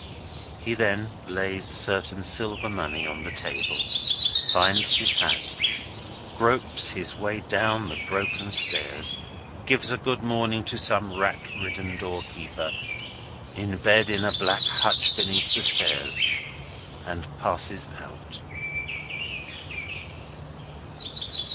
He then lays certain silver money on the table, finds his hat, gropes his way down the broken stairs, gives a good morning to some rat ridden doorkeeper, in bed in a black hutch beneath the stairs, and passes out.